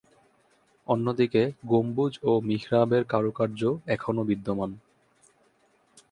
অন্যদিকে, গম্বুজ ও মিহরাবের কারুকার্য এখনো বিদ্যমান।